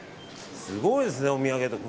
すごいですね、お土産とかも。